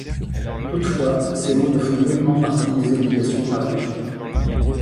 Toutefois, ces mots ne font nullement partie des obligations de la religion.